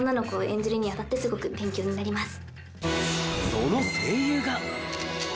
その声優が。